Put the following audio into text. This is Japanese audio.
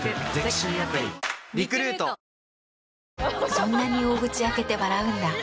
そんなに大口開けて笑うんだ。